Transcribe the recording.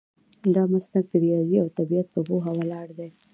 دا مسلک د ریاضي او طبیعت په پوهه ولاړ دی.